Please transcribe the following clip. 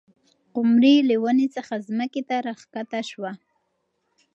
قمري له ونې څخه ځمکې ته راښکته شوه.